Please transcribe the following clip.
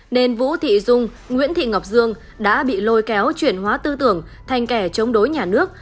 nên vũ thị dung nguyễn thị ngọc dương đã bị lôi kéo chuyển hóa tư tưởng thành kẻ chống đối nhà nước